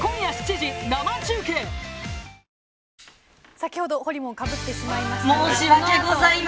先ほど、ほりもんかぶってしまいました。